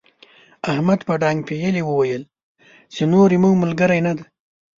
احمد په ډانګ پېيلې وويل چې نور زموږ ملګری نه دی.